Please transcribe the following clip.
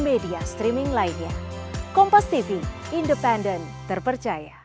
media streaming lainnya kompas tv independen terpercaya